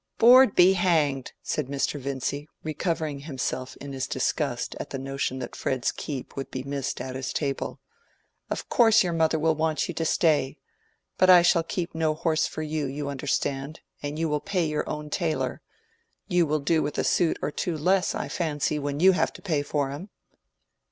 "Board be hanged!" said Mr. Vincy, recovering himself in his disgust at the notion that Fred's keep would be missed at his table. "Of course your mother will want you to stay. But I shall keep no horse for you, you understand; and you will pay your own tailor. You will do with a suit or two less, I fancy, when you have to pay for 'em."